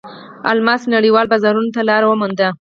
الماس نړیوالو بازارونو ته لار ومونده.